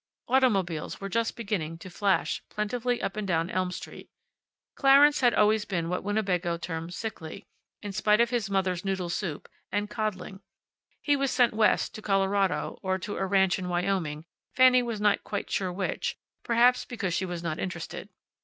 Automobiles were just beginning to flash plentifully up and down Elm Street. Clarence had always been what Winnebago termed sickly, in spite of his mother's noodle soup, and coddling. He was sent West, to Colorado, or to a ranch in Wyoming, Fanny was not quite sure which, perhaps because she was not interested.